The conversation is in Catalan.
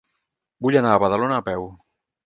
Vull anar a Badalona a peu.